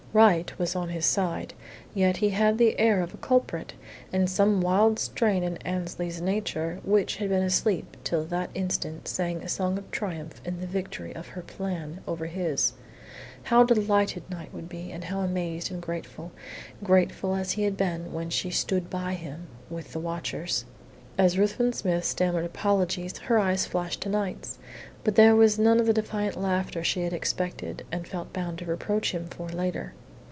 Right was on his side; yet he had the air of a culprit, and some wild strain in Annesley's nature which had been asleep till that instant sang a song of triumph in the victory of her "plan" over his. How delighted Knight would be, and how amazed and grateful grateful as he had been when she "stood by him" with the watchers! As Ruthven Smith stammered apologies her eyes flashed to Knight's; but there was none of the defiant laughter she had expected, and felt bound to reproach him for later.